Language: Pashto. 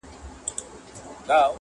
له ګودره یمه ستړی له پېزوانه یمه ستړی!!